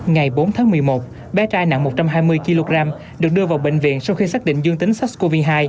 ngày bốn tháng một mươi một bé trai nặng một trăm hai mươi kg được đưa vào bệnh viện sau khi xác định dương tính sars cov hai